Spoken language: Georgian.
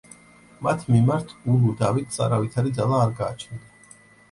მათ მიმართ ულუ დავითს არავითარი ძალა არ გააჩნდა.